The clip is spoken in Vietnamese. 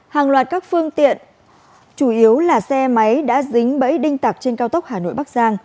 hàng loạt các phương tiện chủ yếu là xe máy đã dính bẫy đinh tặc trên cao tốc hà nội bắc giang